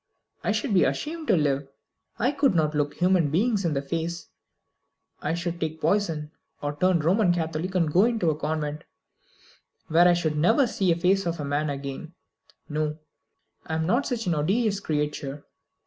I should be ashamed to live. I could not look human beings in the face. I should take poison, or turn Roman Catholic and go into a convent, where I should never see the face of a man again. No; I am not such an odious creature.